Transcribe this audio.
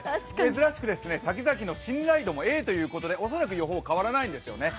珍しくさきざきの信頼度もＡということで恐らく予報、変わらないんですよね